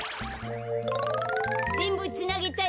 ぜんぶつなげたよ。